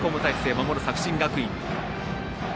守る作新学院。